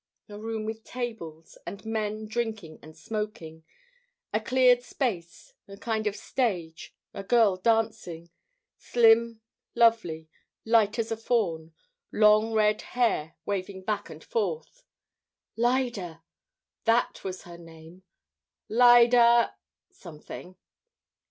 A room with tables, and men drinking and smoking; a cleared space; a kind of stage; a girl dancing slim, lovely, light as a fawn; long red hair waving back and forth Lyda! that was her name. Lyda something.